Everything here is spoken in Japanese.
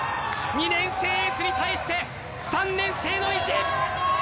２年生エースに対して３年生の意地。